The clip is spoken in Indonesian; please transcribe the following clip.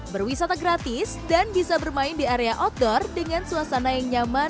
berwisata gratis dan bisa bermain di area outdoor dengan suasana yang nyaman